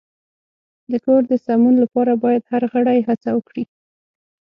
د کور د سمون لپاره باید هر غړی هڅه وکړي.